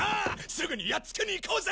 すぐにやっつけに行こうぜ！